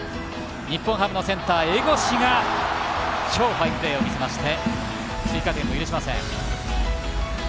日本ハムのセンター、江越が超ファインプレーを見せまして追加点を許しません。